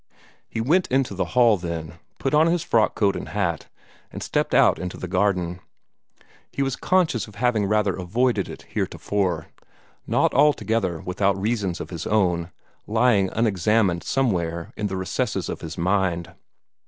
He went into the hall then, put on his frock coat and hat, and stepped out into the garden. He was conscious of having rather avoided it heretofore not altogether without reasons of his own, lying unexamined somewhere in the recesses of his mind.